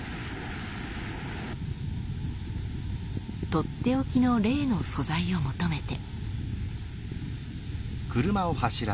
とっておきのレイの素材を求めて。